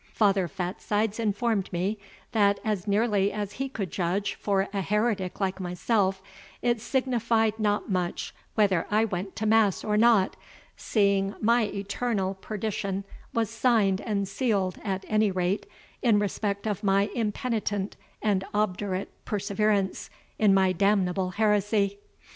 Father Fatsides informed me, that, as nearly as he could judge for a heretic like myself, it signified not much whether I went to mass or not, seeing my eternal perdition was signed and sealed at any rate, in respect of my impenitent and obdurate perseverance in my damnable heresy.